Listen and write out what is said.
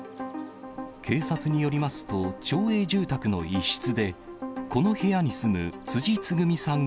警察によりますと、町営住宅の一室で、この部屋に住む辻つぐみさん